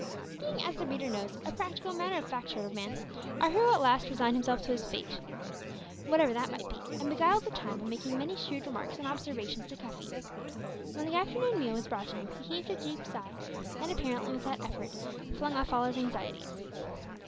Being, as the reader knows, a practical, matter of fact sort of man, our hero at last resigned himself to his fate, whatever that might be, and beguiled the time by making many shrewd remarks and observations to Cuffy. When the afternoon meal was brought to him, he heaved a deep sigh, and apparently, with that effort flung off all his anxieties.